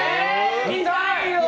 見たいよ！